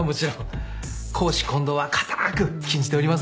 公私混同は固く禁じておりますので。